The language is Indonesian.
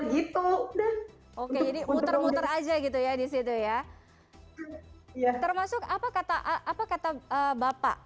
gitu udah oke jadi muter muter aja gitu ya di situ ya termasuk apa kata apa kata bapak